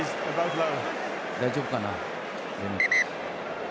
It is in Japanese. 大丈夫かな？